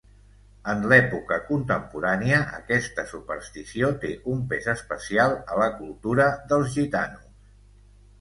En l'època contemporània aquesta superstició té un pes especial a la cultura dels gitanos.